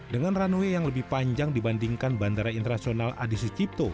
dengan runway yang lebih panjang dibandingkan bandara internasional adi sucipto